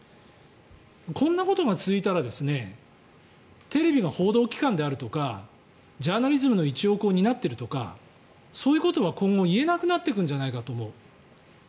こんなことが続いたらテレビが報道機関であるとかジャーナリズムの一翼を担っているとかそういうことを今後言えなくなってくるんじゃないかと思う。